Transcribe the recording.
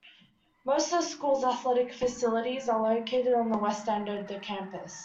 Most of the school's athletic facilities are located on the west end of campus.